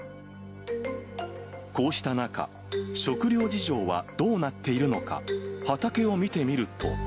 こうした中、食糧事情はどうなっているのか、畑を見てみると。